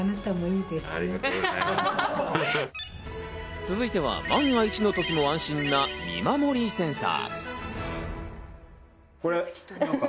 続いては、万が一の時も安心な見守りセンサー。